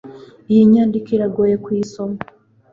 Iyi nyandiko iragoye kuyisoma